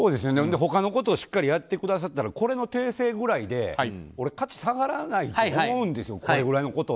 他のことをちゃんとやってくださったらこれの訂正ぐらいで俺価値下がらないと思うんですよ。